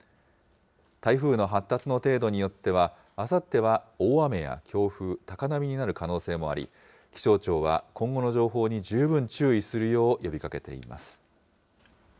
台風の発達の程度によっては、あさっては大雨や強風、高波になる可能性もあり、気象庁は今後の情報に十分注意するよう呼びかけています。